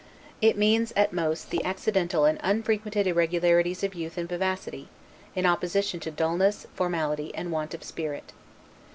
It means, at most, the accidental and unfrequent irregularities of youth and vivacity, in opposition to dullness, formality, and want of spirit.